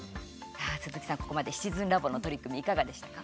鈴木さん、ここまで「シチズンラボ」の取り組みいかがでしたか？